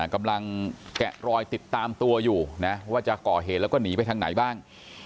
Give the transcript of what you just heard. กำลังแกะรอยติดตามตัวอยู่นะว่าจะก่อเหตุแล้วก็หนีไปทางไหนบ้าง